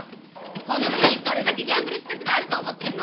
この国にどれだけギャンブル施設があると思ってんの。